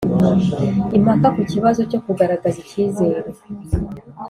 Impaka ku kibazo cyo kugaragaza icyizere